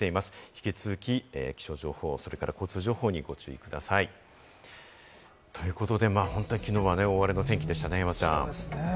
引き続き気象情報、それから交通情報にご注意ください。ということで、きのうは大荒れの天気でしたね、山ちゃん。